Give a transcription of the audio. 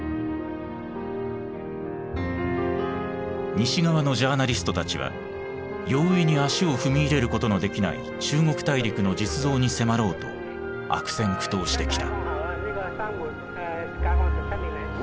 西側のジャーナリストたちは容易に足を踏み入れることのできない中国大陸の実像に迫ろうと悪戦苦闘してきた。